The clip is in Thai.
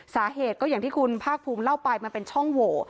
สาเหตุก็อย่างที่คุณภาคภูมิเล่าไปมันเป็นช่องโหว